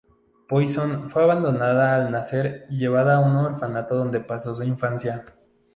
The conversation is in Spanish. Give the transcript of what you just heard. Poison fue abandonada al nacer y llevada a un orfanato dónde pasó su infancia.